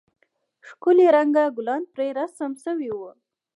ښکلي رنگه گلان پرې رسم سوي وو.